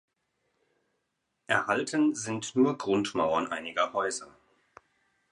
Erhalten sind nur Grundmauern einiger Häuser.